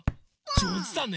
じょうずだね！